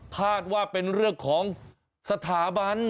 คาดว่าเป็นเรื่องของสถาบัน